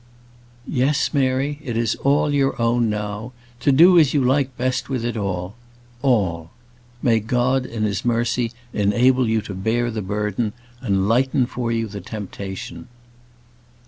"Yes, Mary; it is all your own now. To do as you like best with it all all. May God, in His mercy, enable you to bear the burden, and lighten for you the temptation!"